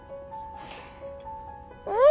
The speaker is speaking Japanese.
うん。